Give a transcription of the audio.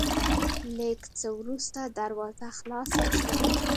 لېږ څه ورورسته دروازه خلاصه شوه،